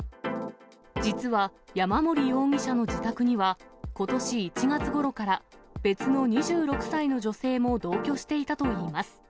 実は、山森容疑者の自宅には、ことし１月ごろから別の２６歳の女性も同居していたといいます。